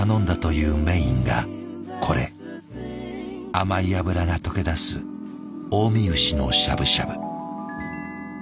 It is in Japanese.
甘い脂が溶け出す近江牛のしゃぶしゃぶ。